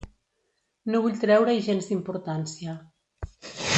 No vull treure-hi gens d’importància.